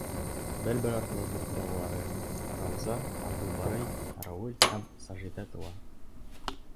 Бер-бер артлы дүрт балалары — Рауза, Абдулбарый, Рауил һәм Сажиҙә тыуа.